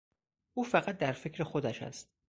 او فقط در فکر خودش است.